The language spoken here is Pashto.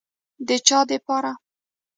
د چا دپاره.